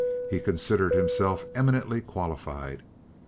He considered himself eminently qualified.